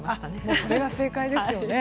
それが正解ですよね。